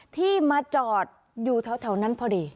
ที่มาจอดอยู่แถวนั้นพอดี